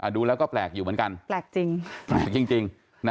ดูแล้วก็แปลกอยู่เหมือนกันแปลกจริงแปลกจริง